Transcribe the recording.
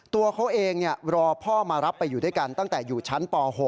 ตัวเขาเองรอพ่อมารับไปอยู่ด้วยกันตั้งแต่อยู่ชั้นป๖